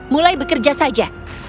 mulai bekerja saja